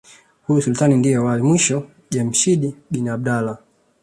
Huyu Sultani ndiye was mwisho Jemshid bin abdalla